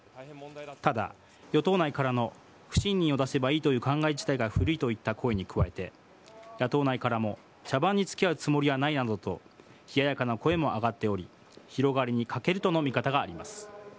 ただ、与党内からの不信任を出せばいいという考え自体が古いといった声に加えて野党内からも茶番に付き合うつもりはないなどと冷ややかな声も上がっており広がりに欠けるとの見方があります。